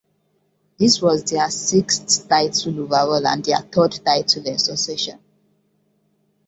This was their sixth title overall and their third title in succession.